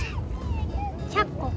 １００個。